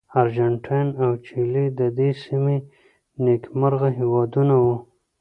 ارجنټاین او چیلي د دې سیمې نېکمرغه هېوادونه وو.